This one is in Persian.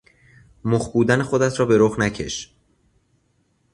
مخ بودن خودت را به رخ نکش